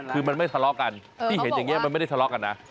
คือมันไม่ทะเลาะกันที่เห็นอย่างนี้มันไม่ได้ทะเลาะกันนะ